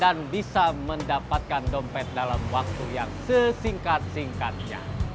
bisa mendapatkan dompet dalam waktu yang sesingkat singkatnya